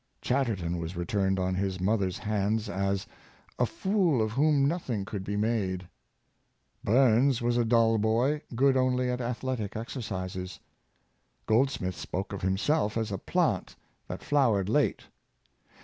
Chatterton was returned on his mother's hands as " a fool, of whom nothing could be made." Burns was a dull boy, good Grant — 'Jackson . 329 only at athletic exercises. Goldsmith spoke of himself as a plant that flowered late.